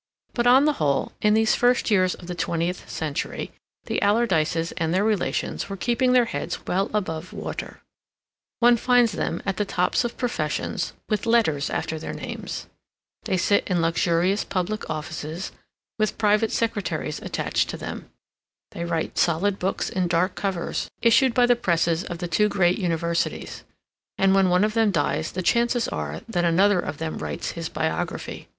But, on the whole, in these first years of the twentieth century, the Alardyces and their relations were keeping their heads well above water. One finds them at the tops of professions, with letters after their names; they sit in luxurious public offices, with private secretaries attached to them; they write solid books in dark covers, issued by the presses of the two great universities, and when one of them dies the chances are that another of them writes his biography.